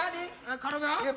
体？